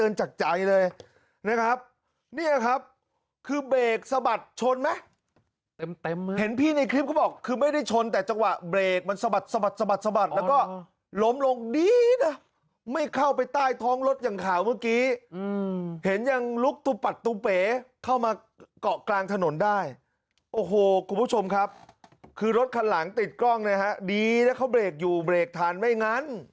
เห็นพี่ในคลิปเขาบอกคือไม่ได้ชนแต่จังหวะเบรกมันสะบัดสะบัดสะบัดสะบัดแล้วก็ล้มลงดีนะไม่เข้าไปใต้ท้องรถอย่างข่าวเมื่อกี้เห็นยังลุกตุปัดตุเป๋เข้ามาเกาะกลางถนนได้โอ้โหคุณผู้ชมครับคือรถคันหลังติดกล้องนะฮะดีนะเขาเบรกอยู่เบรกทันไม่งั้น